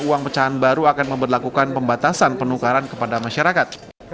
uang pecahan baru akan memperlakukan pembatasan penukaran kepada masyarakat